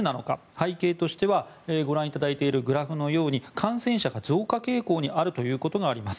背景としてはご覧いただいているグラフのように感染者が増加傾向にあるということがあります。